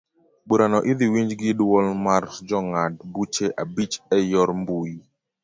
Burano idhi winj gi duol mar jongad buche abich eyor mbui.